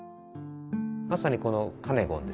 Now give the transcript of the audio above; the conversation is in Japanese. まさにこのカネゴンですね。